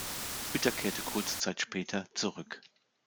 Hütter kehrte kurze Zeit später zurück.